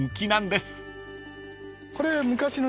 これ。